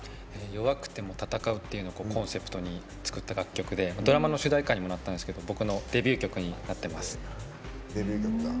「弱くても戦う」というコンセプトに作った楽曲でドラマの主題歌にもなった曲なんですけど僕のデビュー曲にもなってます。